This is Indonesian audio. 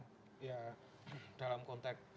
ya dalam konteks